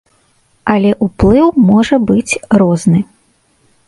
Але ўплыў можа быць розны.